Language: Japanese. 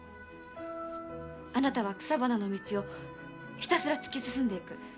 あなたは、草花の道をひたすら突き進んでいく。